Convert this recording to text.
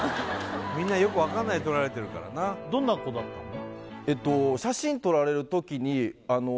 みんなよくわかんないで撮られてるからなどんな子だったの？